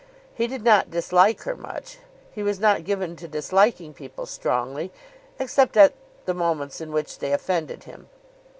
He did not dislike her much. He was not given to disliking people strongly, except at the moments in which they offended him.